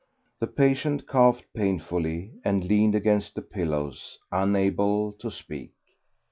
The patient coughed painfully, and leaned against the pillows, unable to speak.